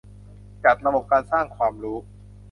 จัดระบบการสร้างความรู้